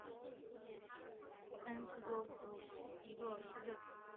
恩斯多夫是奥地利下奥地利州阿姆施泰滕县的一个市镇。